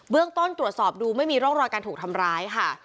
ต้นตรวจสอบดูไม่มีร่องรอยการถูกทำร้ายค่ะ